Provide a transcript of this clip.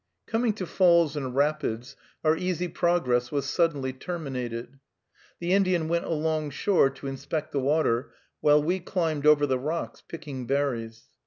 Coming to falls and rapids, our easy progress was suddenly terminated. The Indian went alongshore to inspect the water, while we climbed over the rocks, picking berries.